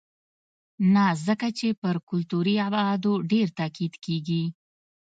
نه ځکه چې پر کلتوري ابعادو ډېر تاکید کېږي.